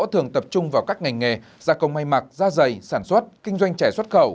thường tập trung vào các ngành nghề gia công may mặc da dày sản xuất kinh doanh trẻ xuất khẩu